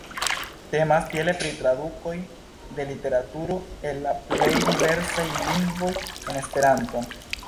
Temas tiele pri tradukoj de literaturo el la plej diversaj lingvoj en Esperanton.